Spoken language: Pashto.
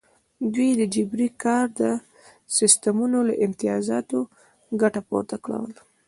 دوی د جبري کار د سیستمونو له امتیازاتو ګټه پورته کوله.